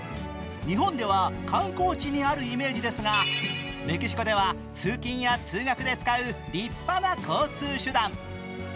日本では観光地にあるイメージですが、メキシコでは通勤や通学で使う立派な交通手段。